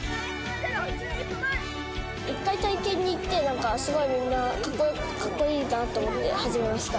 １回体験に行って、なんかすごいみんなかっこいいなと思って、始めました。